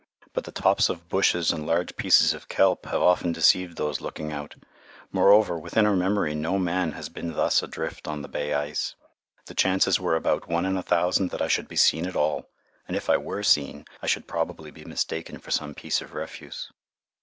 But the tops of bushes and large pieces of kelp have often deceived those looking out. Moreover, within our memory no man has been thus adrift on the bay ice. The chances were about one in a thousand that I should be seen at all, and if I were seen, I should probably be mistaken for some piece of refuse.